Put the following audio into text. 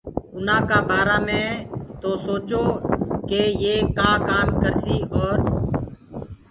اُنآ بآرآ مي تو سوچو ڪي يي ڪآم ڪآ ڪرسيٚ اور